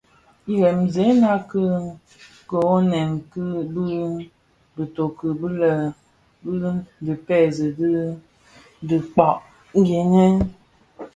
Jremzèna ki kōghènè bi bitoki bi lè dhi pèrèsi dhi dhikpag gèènë.